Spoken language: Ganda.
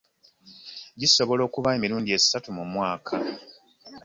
Gisobola okuba emirundi esatu mu mwaka.